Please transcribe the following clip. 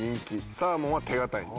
サーモンは手堅いと。